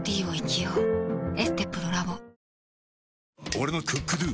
俺の「ＣｏｏｋＤｏ」！